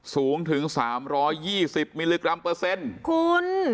สูงถึงสามร้อยยี่สิบมิลลิกรัมเปอร์เซ็นต์คุณ